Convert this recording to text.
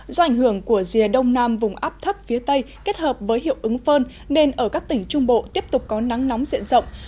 do ảnh hưởng của rìa đông nam vùng áp thấp phía tây kết hợp với hiệu ứng phơn nên ở các tỉnh trung bộ tiếp tục có nắng nóng diện rộng